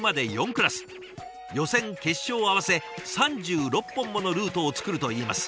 予選・決勝合わせ３６本ものルートを作るといいます。